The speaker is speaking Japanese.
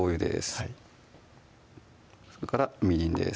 はいそれからみりんです